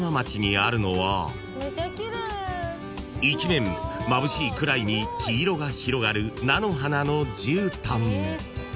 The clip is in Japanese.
あるのは一面まぶしいくらいに黄色が広がる菜の花のじゅうたん］